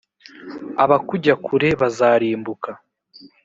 abakujya kure bazarimbuka .